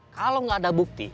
kalau gak ada bukti